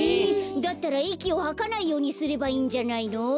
だったらいきをはかないようにすればいいんじゃないの？